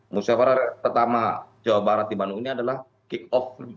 musyawarah pertama jawa barat di bandung ini adalah kick off